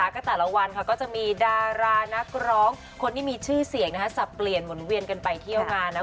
ก็แต่ละวันก็จะมีดารานักร้องคนที่มีชื่อเสียงสับเปลี่ยนหมุนเวียนกันไปเที่ยวงานนะ